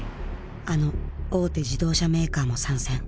あの大手自動車メーカーも参戦。